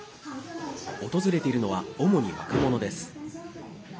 訪れているのは主に若者です。